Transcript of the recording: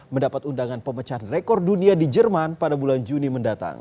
mendapat undangan pemecahan rekor dunia di jerman pada bulan juni mendatang